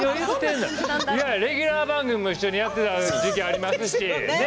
レギュラー番組も一緒にやっていた時期がありますし。